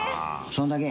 そんだけ。